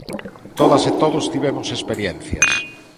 Todas e todos tivemos experiencias.